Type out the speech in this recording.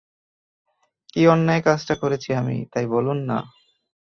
কী অন্যায় কাজটা করেছি আমি, তাই বলুন না।